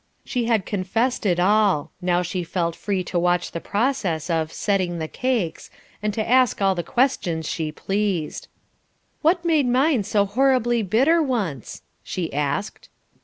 She had confessed it all, now she felt free to watch the process of "setting the cakes" and to ask all the questions she pleased. "What made mine so horribly bitter once?" she asked.